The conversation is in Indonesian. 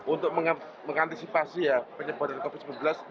untuk mengantisipasi ya penyebaran covid sembilan belas